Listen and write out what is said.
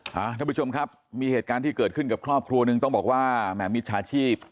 ท่านผู้ชมครับมีเหตุการณ์ที่เกิดขึ้นกับครอบครัวหนึ่งต้องบอกว่าแหม่มิจฉาชีพ